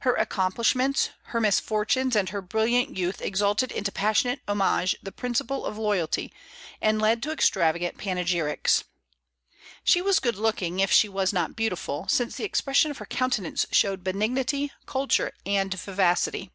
"Her accomplishments, her misfortunes, and her brilliant youth exalted into passionate homage the principle of loyalty, and led to extravagant panegyrics." She was good looking, if she was not beautiful, since the expression of her countenance showed benignity, culture, and vivacity.